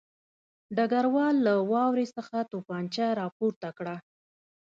ډګروال له واورې څخه توپانچه راپورته کړه